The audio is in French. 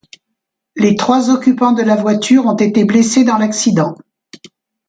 Les trois occupants de la voiture ont été blessés dans l'accident.